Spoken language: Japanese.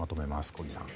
小木さん。